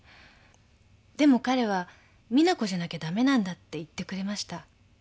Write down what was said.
でも彼は「実那子じゃなきゃダメなんだ」って言ってくれました。